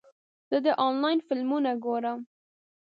زه د انلاین فلمونه ګورم.